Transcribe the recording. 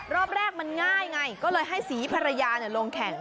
รอบแรกมันง่ายไงก็เลยให้ศรีภรรยาลงแข่ง